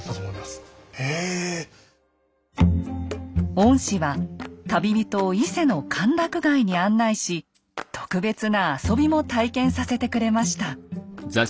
御師は旅人を伊勢の歓楽街に案内し特別な遊びも体験させてくれました。